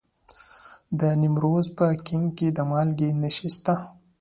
د نیمروز په کنگ کې د مالګې نښې شته.